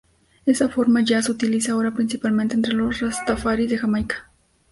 Esa forma Yah se utiliza ahora principalmente entre los rastafaris de Jamaica.